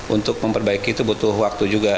untuk memperbaiki itu butuh waktu juga